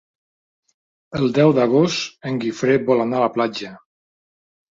El deu d'agost en Guifré vol anar a la platja.